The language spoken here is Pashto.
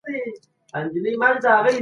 د بهرنیو پالیسي موخي تل عملي نه کېږي.